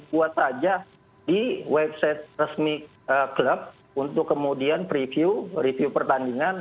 buat aja di website resmi klub untuk kemudian review pertandingan